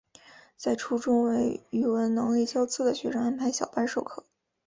在初中为语文能力较次的学生安排小班授课。